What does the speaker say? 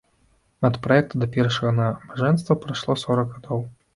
Ад праекта да першага набажэнства прайшло сорак гадоў.